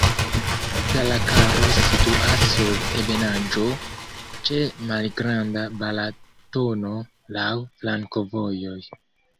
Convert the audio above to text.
Zalakaros situas sur ebenaĵo, ĉe malgranda Balatono, laŭ flankovojoj.